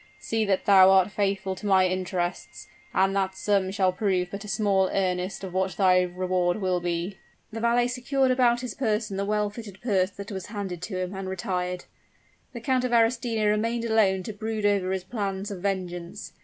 See that thou art faithful to my interests, and that sum shall prove but a small earnest of what thy reward will be." The valet secured about his person the well filled purse that was handed to him, and retired. The Count of Arestino remained alone to brood over his plans of vengeance.